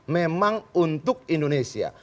memang untuk indonesia